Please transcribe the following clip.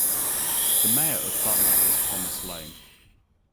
The mayor of Butner is Thomas Lane.